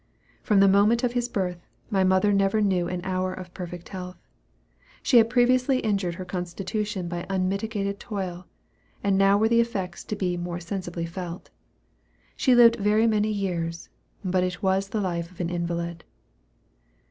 From the moment of his birth, my mother never knew an hour of perfect health. She had previously injured her constitution by unmitigated toil, and now were the effects to be more sensibly felt. She lived very many years; but it was the life of an invalid.